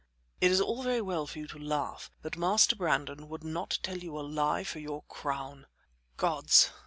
"It is all very well for you to laugh, but Master Brandon would not tell you a lie for your crown " Gods!